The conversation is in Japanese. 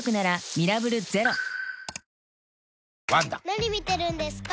・何見てるんですか？